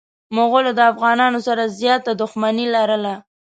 مغولو د افغانانو سره زياته دښمني لرله.